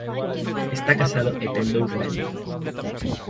Está casado e ten dous nenos.